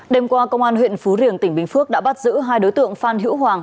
đêm qua công an huyện phú riềng tỉnh bình phước đã bắt giữ hai đối tượng phan hữu hoàng